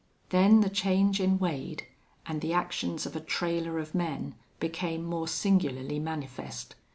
Then the change in Wade, and the actions of a trailer of men, became more singularly manifest.